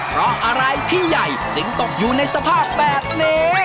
เพราะอะไรพี่ใหญ่จึงตกอยู่ในสภาพแบบนี้